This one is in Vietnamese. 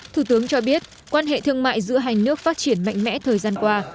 thủ tướng cho biết quan hệ thương mại giữa hai nước phát triển mạnh mẽ thời gian qua